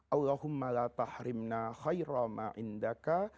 allahumma la tahrimna khaira ma'indaka